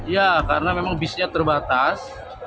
ya karena memang bisnya terbatas